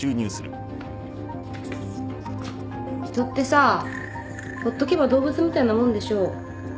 人ってさほっとけば動物みたいなもんでしょ？